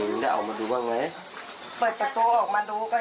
เห็นคนเห็นอะไรสักหน่อยไหม